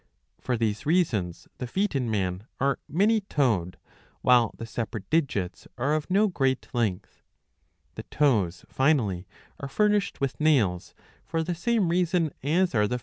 For these reasons the feet in man are many toed, while the separate digits are of no great length. The toes, finally, are furnished with nails for the same reason as are the 690b. 126 IV. 10 — iv. II.